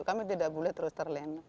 kami tidak boleh terus terlena